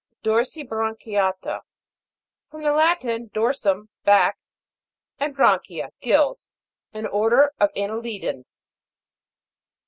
DORSIBRAN'CHIATA. From the Latin, dorsum, back, and branchiae, gills. An order of annelidans.